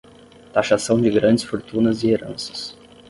Taxação de grandes fortunas e heranças